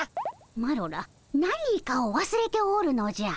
マロら何かをわすれておるのじゃ。